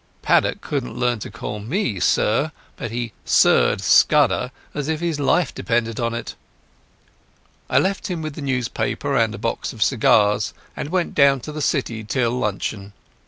Paddock couldn't learn to call me "sir', but he "sirred' Scudder as if his life depended on it. I left him with the newspaper and a box of cigars, and went down to the City till luncheon.